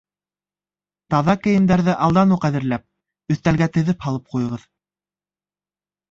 Таҙа кейемдәрҙе алдан уҡ әҙерләп, өҫтәлгә теҙеп һалып ҡуйығыҙ.